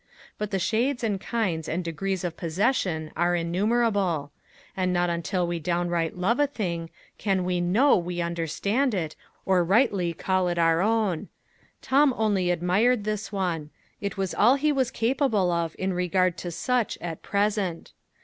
But the shades and kinds and degrees of possession are innumerable; and not until we downright love a thing, can we know we understand it, or rightly call it our own; Tom only admired this one; it was all he was capable of in regard to such at present.